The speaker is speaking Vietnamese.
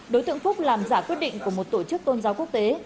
đối tượng phúc làm giả quyết định của một tổ chức tôn giáo quốc tế